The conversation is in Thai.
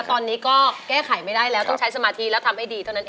ตอนนี้ก็แก้ไขไม่ได้แล้วต้องใช้สมาธิแล้วทำให้ดีเท่านั้นเอง